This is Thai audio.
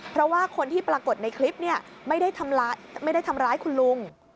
เพราะว่าคนที่ปรากฏในคลิปเนี่ยไม่ได้ทำร้ายคุณลุง